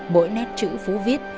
mỗi nét chữ phú viết